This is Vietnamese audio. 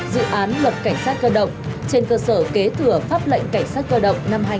dự án luật cảnh sát cơ động trên cơ sở kế thừa pháp lệnh cảnh sát cơ động năm hai nghìn hai mươi